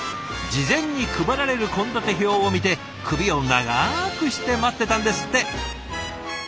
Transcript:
事前に配られる献立表を見て首を長くして待ってたんですって。